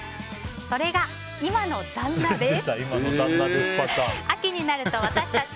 それが今の旦那です。